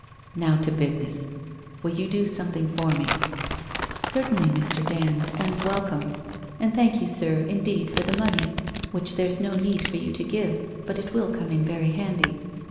Now, to business. Will you do something for me ?' 1 Certainly, Mr. Dand, and welcome. And thank you, sir, indeed for the money, which there's no need for you to give — but it will come in very handy.